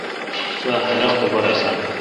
سوا خلق تو پر ہسان۔